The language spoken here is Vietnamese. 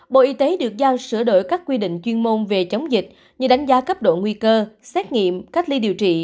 bộ y tế được giao sửa đổi các quy định chuyên môn về chống dịch như đánh giá cấp độ nguy cơ xét nghiệm cách ly điều trị